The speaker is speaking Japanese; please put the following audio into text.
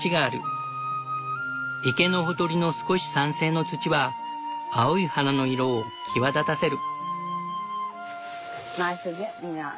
池のほとりの少し酸性の土は青い花の色を際立たせる。